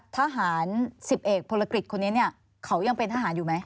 ทหาร๑๐เอกพลกฤษคนนี้เนี่ยเขายังเป็นทหารอยู่ไหม